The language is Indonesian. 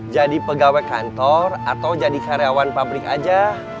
jadi pegawai kantor atau jadi karyawan pabrik aja